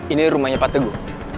ini rumahnya pak teguh